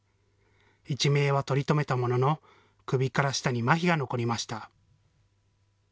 一命は取り留めたものの首から下にまひが残りました。